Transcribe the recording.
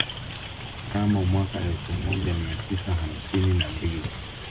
Mnamo mwaka elfu moja mia tisa hamsini na mbili